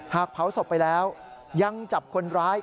หากเผาศพไปแล้วยังจับคนร้าย